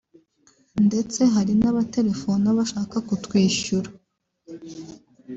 ndetse hari n’abatelefona bashaka kutwishyura